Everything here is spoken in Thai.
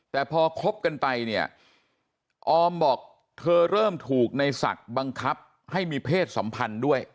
แต่พอคบกันไปเนี่ยออมบอกเธอเริ่มถูกในศักดิ์บังคับให้มีเพศสัมพันธ์ด้วย